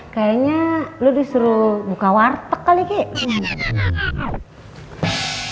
kayanya lu disuruh buka warteg kali kiki